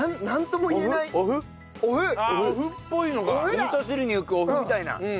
おみそ汁に浮くお麩みたいな。